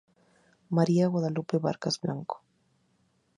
María Guadalupe Vargas Blanco.